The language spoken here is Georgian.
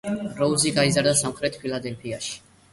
როუზი გაიზარდა სამხრეთ ფილადელფიაში.